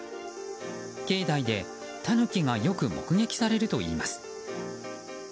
境内でタヌキがよく目撃されるといいます。